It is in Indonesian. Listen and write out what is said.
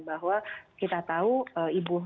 bahwa kita tahu ibu